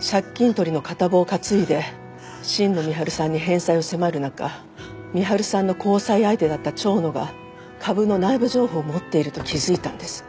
借金取りの片棒を担いで新野美春さんに返済を迫る中美春さんの交際相手だった蝶野が株の内部情報を持っていると気づいたんです。